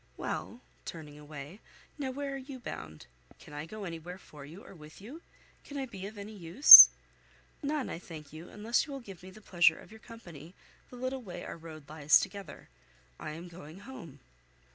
Well," (turning away), "now, where are you bound? Can I go anywhere for you, or with you? Can I be of any use?" "None, I thank you, unless you will give me the pleasure of your company the little way our road lies together. I am going home."